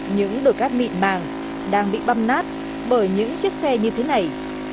những đồi cát mịn màng đang bị băm nát bởi những chiếc xe như thế này